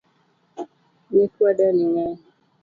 Nyikwa dani ng'eny